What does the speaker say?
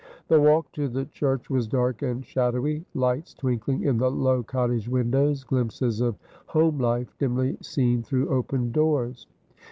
The walk to the church was dark and shadowy ; lights twinkling in the low cottage windows ; glimpses of hocce life dimly seen through open doors.